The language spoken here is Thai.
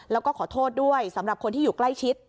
แล้วก็ขอโทษด้วยสำหรับคนที่อยู่ใกล้ชิด